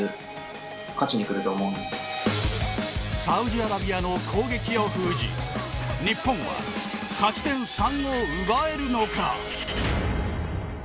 サウジアラビアの攻撃を封じ日本は、勝ち点３を奪えるのか。